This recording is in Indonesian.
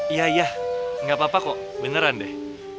iya iya gak apa apa kok beneran deh